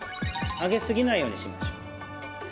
上げすぎないようにしましょう。